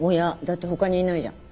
だって他にいないじゃん。